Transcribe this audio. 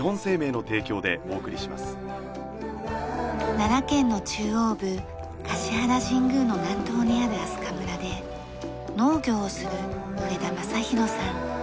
奈良県の中央部橿原神宮の南東にある明日香村で農業をする上田勝啓さん。